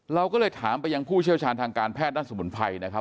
เราก็เลยถามไปยังผู้เชี่ยวชาญทางการแพทย์ด้านสมุนไพรนะครับ